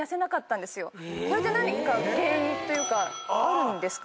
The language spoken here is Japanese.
これって何か原因というかあるんですか？